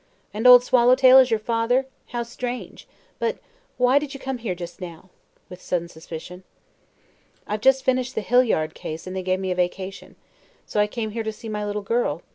"And Old Swallowtail is your father? How strange. But why did you come here just now?" with sudden suspicion. "I've just finished the Hillyard case and they gave me a vacation. So I came here to see my little girl.